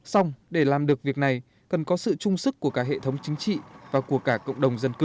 xong để làm được việc này cần có sự trung sức của cả hệ thống chính trị và của cả cộng đồng dân cư